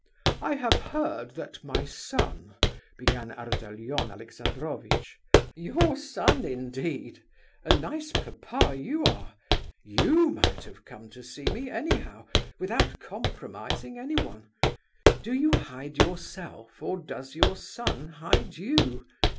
"I have heard that my son—" began Ardalion Alexandrovitch. "Your son, indeed! A nice papa you are! You might have come to see me anyhow, without compromising anyone. Do you hide yourself, or does your son hide you?"